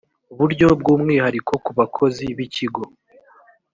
buryo bw umwihariko ku bakozi b ikigo